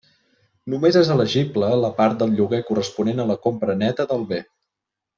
Només és elegible la part del lloguer corresponent a la compra neta del bé.